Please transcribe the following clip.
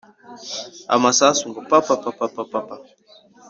amasasu ngo papapapa